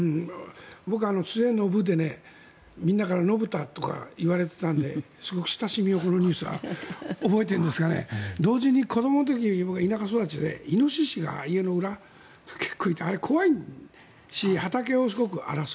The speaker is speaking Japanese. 僕、末延でみんなから野豚とか言われていたのですごく親しみをこのニュースは覚えてるんですが同時に子どもの時僕、田舎育ちでイノシシが家の裏に結構いてあれ、怖いし畑をすごく荒らす。